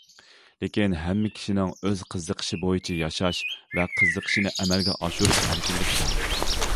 لېكىن ھەممە كىشىنىڭ ئۆز قىزىقىشى بويىچە ياشاش ۋە قىزىقىشىنى ئەمەلگە ئاشۇرۇش ئەركىنلىكى بار.